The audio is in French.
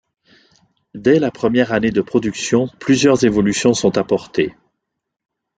Dés la première année de production, plusieurs évolutions sont apportées.